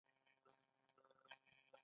زمري د پټي کونج بیل کاوه.